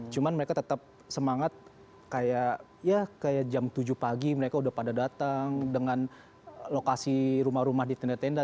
cuma mereka tetap semangat kayak ya kayak jam tujuh pagi mereka udah pada datang dengan lokasi rumah rumah di tenda tenda